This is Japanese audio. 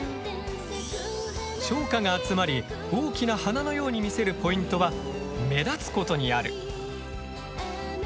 小花が集まり大きな花のように見せるポイントは目立つことにある。